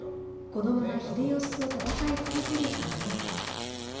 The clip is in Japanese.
このまま秀吉と戦い続けるかどうか。